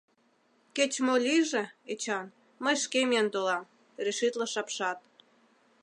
— Кеч-мо лийже, Эчан, мый шке миен толам, — решитлыш апшат.